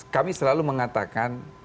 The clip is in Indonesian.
kami selalu mengatakan